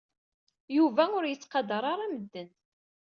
Yuba ur yettqadar ara medden.